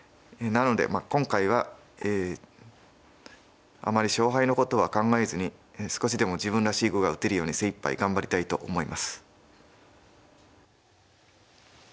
なので今回はあまり勝敗のことは考えずに少しでも自分らしい碁が打てるように精いっぱい頑張りたいと思います。